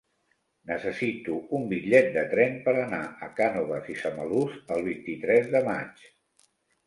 Necessito un bitllet de tren per anar a Cànoves i Samalús el vint-i-tres de maig.